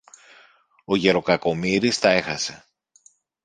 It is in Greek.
Ο γερο-Κακομοίρης τα έχασε.